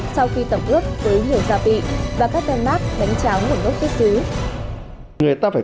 sau khi tẩm ướp với nhiều gia vị và các tem mát đánh cháo một gốc tiết xứ